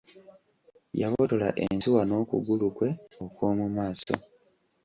Yabotola ensuwa n'okugulu kwe okw'omu maaso.